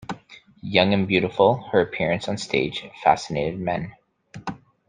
Young and beautiful, her appearance on stage fascinated men.